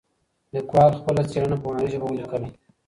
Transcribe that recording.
لیکوال خپله څېړنه په هنري ژبه ولیکله.